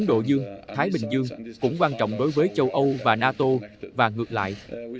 độ dương thái bình dương cũng quan trọng đối với châu âu và nato và ngược lại